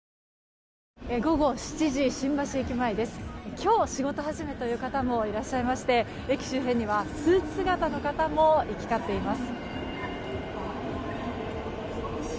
今日、仕事始めという方もいらっしゃいまして駅周辺にはスーツ姿の方も行き交っています。